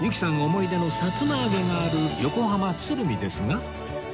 思い出のさつま揚げがある横浜鶴見ですが